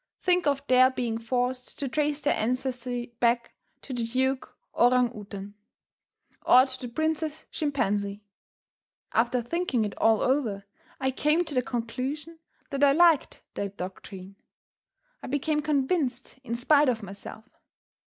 Think of their being forced to trace their ancestry back to the duke Orang Outang, or to the princess Chimpanzee. After thinking it all over, I came to the conclusion that I liked that doctrine. I became convinced in spite of myself.